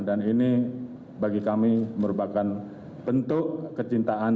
dan ini bagi kami merupakan bentuk kecintaan